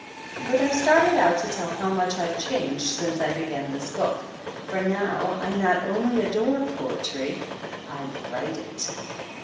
But I started out to tell how much I've changed since I began this book, for now I not only adore poetry, I write it!